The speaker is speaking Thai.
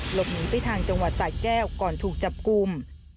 หลบหนีไปทางจังหวัดสายแก้วก่อนถูกจับกลุ่ม